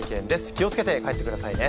気を付けて帰ってくださいね。